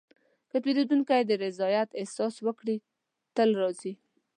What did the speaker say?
که پیرودونکی د رضایت احساس وکړي، تل راځي.